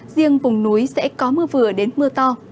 riêng vùng núi sẽ có mưa vừa đến mưa to